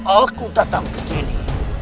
aku datang ke sini